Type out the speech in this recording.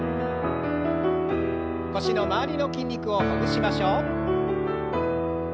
腰の周りの筋肉をほぐしましょう。